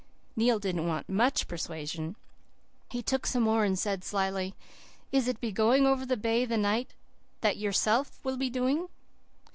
"Neil didn't want MUCH persuasion. He took some more, and said slyly, "'Is it going over the bay the night that yourself will be doing?